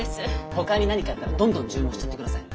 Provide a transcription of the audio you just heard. ほかに何かあったらどんどん注文しちゃって下さい。